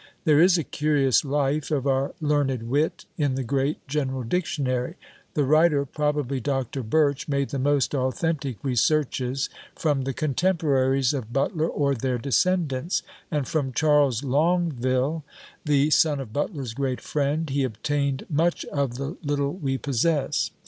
There is a curious life of our learned wit, in the great General Dictionary; the writer, probably Dr. Birch, made the most authentic researches, from the contemporaries of Butler or their descendants; and from Charles Longueville, the son of Butler's great friend, he obtained much of the little we possess.